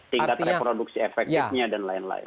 tingkat reproduksi efektifnya dan lain lain